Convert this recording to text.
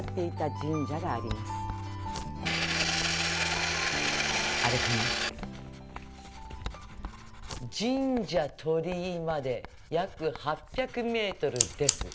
神社鳥居まで約８００メートルです。